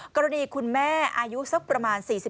คุณแม่อายุสักประมาณ๔๕